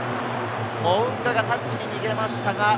モウンガがタッチに逃げました。